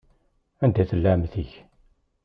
Anda tella ɛemmti-k?